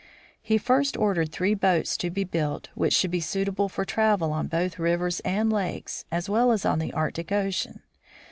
He first ordered three boats to be built which should be suitable for travel on both rivers and lakes, as well as on the Arctic ocean.